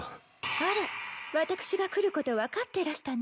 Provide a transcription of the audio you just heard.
あら私が来ること分かってらしたの？